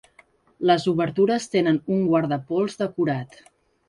Les obertures tenen un guardapols decorat.